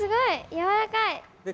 やわらかい！ね。